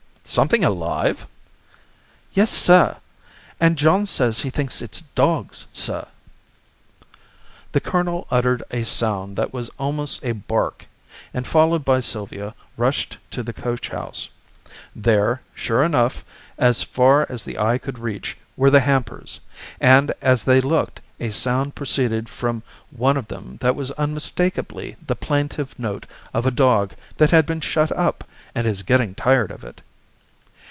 "Something alive?" "Yes, sir. And John says he thinks it's dogs, sir!" The colonel uttered a sound that was almost a bark, and, followed by Sylvia, rushed to the coachhouse. There, sure enough, as far as the eye could reach, were the hampers; and, as they looked, a sound proceeded from one of them that was unmistakably the plaintive note of a dog that has been shut up, and is getting tired of it.